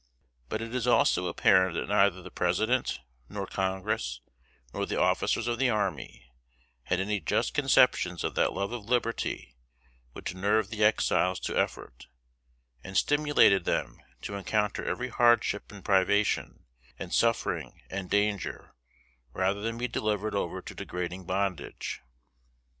But it is also apparent that neither the President, nor Congress, nor the officers of the army, had any just conceptions of that love of liberty which nerved the Exiles to effort, and stimulated them to encounter every hardship and privation, and suffering and danger, rather than be delivered over to degrading bondage.